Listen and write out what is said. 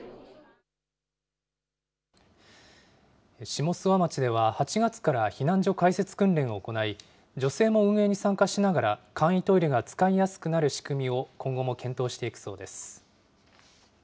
下諏訪町では、８月から避難所開設訓練を行い、女性も運営に参加しながら、簡易トイレが使いやすくなる仕組みを今後も検討していくそうです。